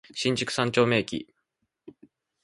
新宿三丁目駅